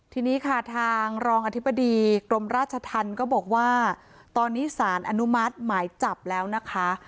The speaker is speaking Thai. ทีนี้ค่ะทางรองอธิบดีกรมราชธรรมก็บอกว่าตอนนี้สารอนุมัติหมายจับแล้วนะคะ